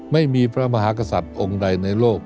ไม่มีพระมหากษัตริย์องค์ใดในโลก